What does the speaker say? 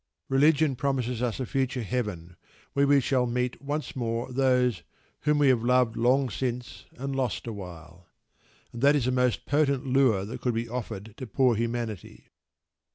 Religion promises us a future Heaven, where we shall meet once more those "whom we have loved long since and lost awhile," and that is the most potent lure that could be offered to poor humanity.